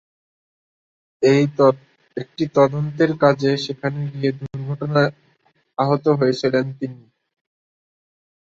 একটি তদন্তের কাজে সেখানে গিয়ে দুর্ঘটনায় আহত হয়েছিলেন তিনি।